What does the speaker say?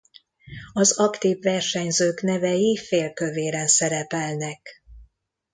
Az aktív versenyzők nevei félkövéren szerepelnek.